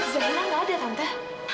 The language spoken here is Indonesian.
zainal gak ada tante